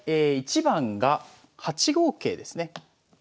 １番が８五桂ですね。